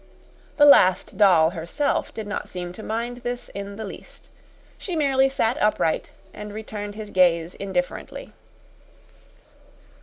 The Last Doll herself did not seem to mind this in the least. She merely sat upright and returned his gaze indifferently.